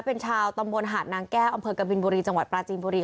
เป็นชาวตำบลหาดนางแก้วอำเภอกบินบุรีจังหวัดปราจีนบุรี